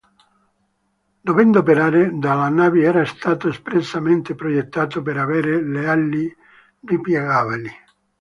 Dovendo operare dalle navi era stato espressamente progettato per avere le ali ripiegabili.